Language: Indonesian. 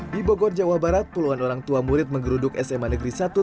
di bogor jawa barat puluhan orang tua murid menggeruduk sma negeri satu